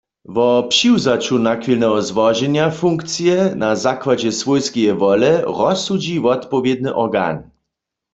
Wo přiwzaću nachwilneho złoženja funkcije na zakładźe swójskeje wole rozsudźi wotpowědny organ.